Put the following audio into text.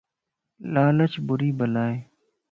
لالچ ڀري بلا ائي